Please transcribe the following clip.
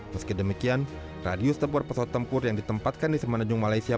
meski demikian radius tempur pesawat tempur yang ditempatkan di semenanjung malaysia